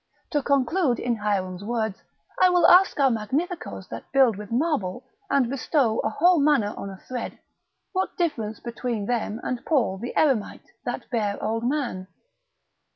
To conclude in Hierom's words, I will ask our magnificoes that build with marble, and bestow a whole manor on a thread, what difference between them and Paul the Eremite, that bare old man?